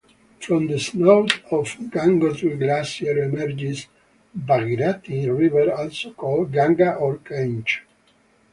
From the snout of Gangotri Glacier emerges Bhagirathi river also called Ganga or Ganges.